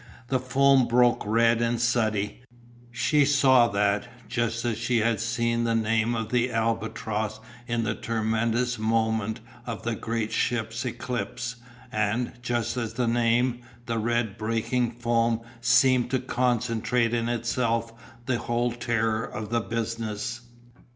The foam broke red and suddy; she saw that, just as she had seen the name of the Albatross in the tremendous moment of the great ship's eclipse, and, just as the name, the red breaking foam seemed to concentrate in itself the whole terror of the business.